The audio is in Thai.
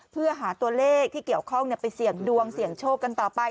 เพื่อหาตัวเลขที่เกี่ยวข้องไปเสี่ยงดวงเสี่ยงโชคกันต่อไป